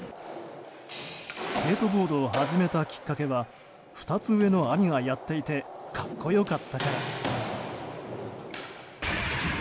スケートボードを始めたきっかけは２つ上の兄がやっていて格好良かったから。